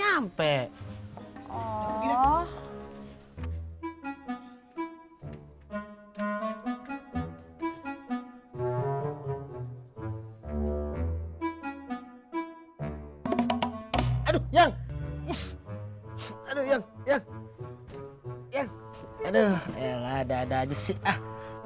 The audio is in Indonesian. aduh yang aduh yang yang yang ada ada aja sih ah